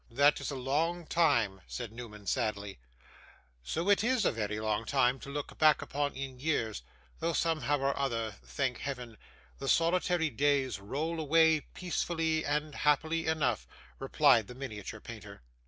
'That is a long time,' said Newman, sadly. 'So it is a very long time to look back upon in years, though, somehow or other, thank Heaven, the solitary days roll away peacefully and happily enough,' replied the miniature painter.